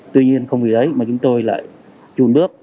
tuy nhiên không vì đấy mà chúng tôi lại chùn bước